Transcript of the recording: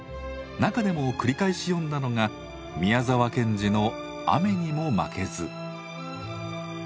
中でも繰り返し読んだのが宮沢賢治の「雨ニモマケズ」。